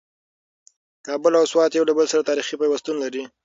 کابل او سوات یو له بل سره تاریخي پیوستون لري.